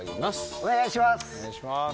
お願いします。